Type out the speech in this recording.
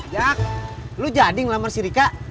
jak lu jadi ngelamar si rika